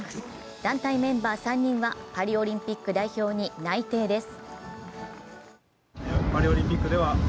団体メンバー３人はパリオリンピック代表に内定です。